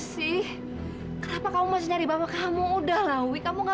sampai jumpa di video selanjutnya